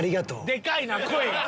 でかいな声が。